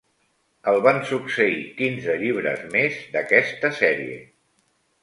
El van succeir quinze llibres més d'aquesta sèrie.